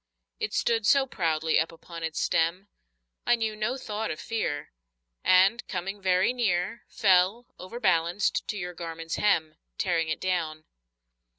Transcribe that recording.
It stood so proudly up upon its stem, I knew no thought of fear, And coming very near Fell, overbalanced, to your garment's hem, Tearing it down.